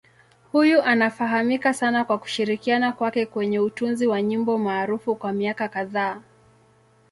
Huyu anafahamika sana kwa kushirikiana kwake kwenye utunzi wa nyimbo maarufu kwa miaka kadhaa.